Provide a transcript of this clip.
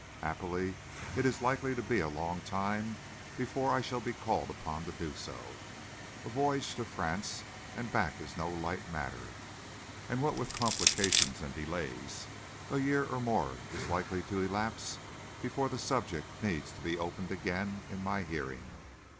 Happily it is likely to be a long time before I shall be called upon to do so. A voyage to France and back is no light matter; and what with complications and delays, a year or more is likely to elapse before the subject need be opened again in my hearing.